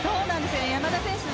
山田選手